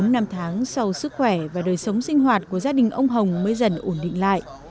bốn năm tháng sau sức khỏe và đời sống sinh hoạt của gia đình ông hồng mới dần ổn định lại